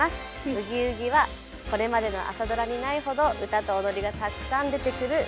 「ブギウギ」はこれまでの朝ドラにないほど歌と踊りがたくさん出てくるドラマです。